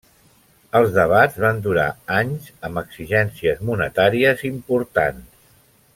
Els debats van durar anys amb exigències monetàries importants.